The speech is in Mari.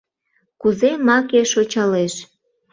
Кузе маке шочалеш